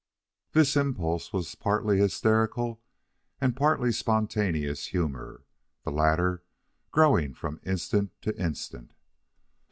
This impulse was party hysterical and partly spontaneous humor the latter growing from instant to instant.